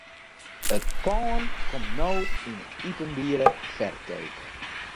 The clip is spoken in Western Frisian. It pân komt no yn 'e iepenbiere ferkeap.